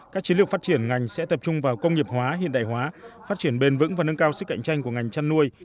các chiến lược phát triển ngành sẽ tập trung vào công nghiệp hóa hiện đại hóa phát triển bền vững và nâng cao sức cạnh tranh của ngành chăn nuôi